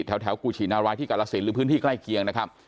แถวกูชินารายที่กล้าละสินหรือพื้นที่ใกล้เกียง